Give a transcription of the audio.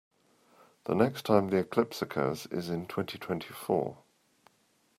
The next time the eclipse occurs is in twenty-twenty-four.